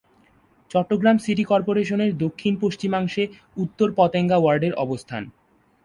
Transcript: Chittagong city কর্পোরেশনের দক্ষিণ-পশ্চিমাংশে উত্তর পতেঙ্গা ওয়ার্ডের অবস্থান।